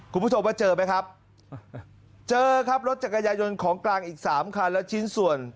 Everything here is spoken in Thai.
คุณผู้ชมว่าเจอไหมครับเจอครับรถจักรยายนของกลางอีกสามคันและชิ้นส่วน